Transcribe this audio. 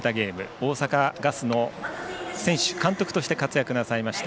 大阪ガスの選手、監督として活躍なさいました